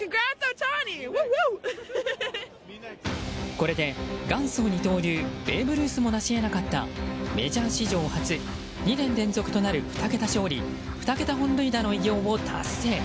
これで元祖二刀流ベーブ・ルースもなし得なかったメジャー史上初２年連続となる２桁勝利、２桁本塁打の偉業を達成。